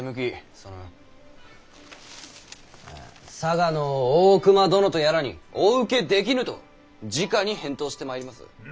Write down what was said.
その佐賀の大隈殿とやらにお受けできぬとじかに返答してまいります。